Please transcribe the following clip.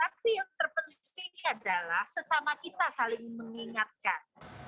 tapi yang terpenting adalah sesama kita saling mengingatkan